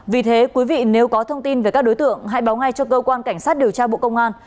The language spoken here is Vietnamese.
vì thế quý vị nếu có thông tin về các đối tượng hãy báo ngay cho cơ quan cảnh sát điều tra bộ công an